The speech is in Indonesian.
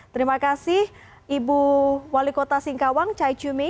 terima kasih ibu wali kota singkawang chai chumi